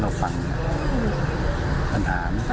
เพราะว่าพ่อมีสองอารมณ์ความรู้สึกดีใจที่เจอพ่อแล้ว